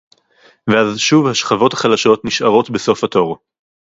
ואז שוב השכבות החלשות נשארות בסוף התור